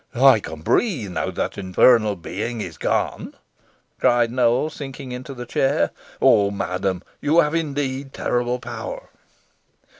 "I can breathe, now that infernal being is gone," cried Nowell, sinking into the chair. "Oh! madam, you have indeed terrible power."